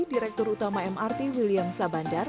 direktur utama mrt william sabandar